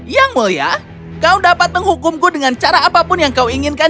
yang mulia kau dapat menghukumku dengan cara apapun yang kau inginkan